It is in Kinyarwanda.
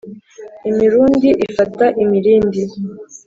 Imirundi ifata imirindi